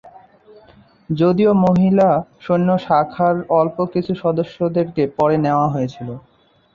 যদিও মহিলা সৈন্য শাখার অল্প কিছু সদস্যদেরকে পরে নেওয়া হয়েছিলো।